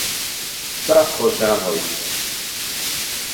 سخت خوشان ہوئے